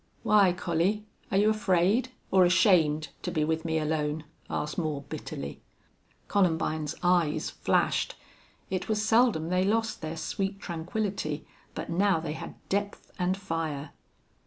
"Why, Collie? Are you afraid or ashamed to be with me alone?" asked Moore, bitterly. Columbine's eyes flashed. It was seldom they lost their sweet tranquillity. But now they had depth and fire.